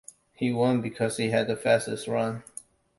He won because he had the fastest run.